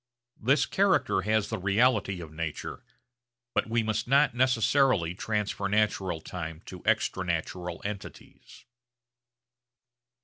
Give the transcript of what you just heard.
This character has the reality of nature, but we must not necessarily transfer natural time to extra natural entities.